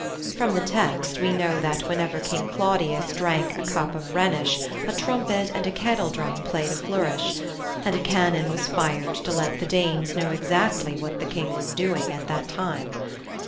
From the text, we know that whenever King Claudius drank a cup of Rhenish a trumpet and a kettle drum played a flourish, and a cannon was fired to let the Danes know exactly what the King was doing at that time.